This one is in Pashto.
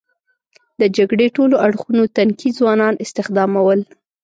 د جګړې ټولو اړخونو تنکي ځوانان استخدامول.